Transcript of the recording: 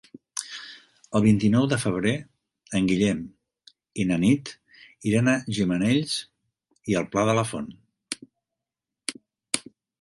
El vint-i-nou de febrer en Guillem i na Nit iran a Gimenells i el Pla de la Font.